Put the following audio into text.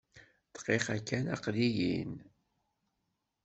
Dqiqa kan! Aqli-yin!